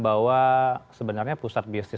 bahwa sebenarnya pusat bisnis